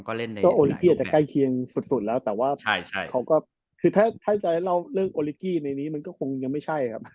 ก็เล่นก็โอลิกี้อาจจะใกล้เคียงสุดแล้วแต่ว่าเขาก็คือถ้าจะเล่าเรื่องโอลิกี้ในนี้มันก็คงยังไม่ใช่ครับ